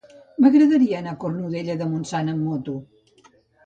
M'agradaria anar a Cornudella de Montsant amb moto.